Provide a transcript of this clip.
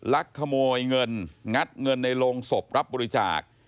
ลักขโมยเงินงัดเงินในโรงศพรับบริจาค